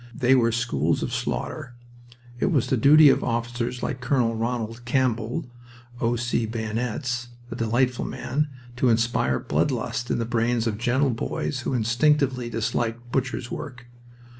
They were schools of slaughter. It was the duty of officers like Col. Ronald Campbell "O.C. Bayonets" (a delightful man) to inspire blood lust in the brains of gentle boys who instinctively disliked butcher's work.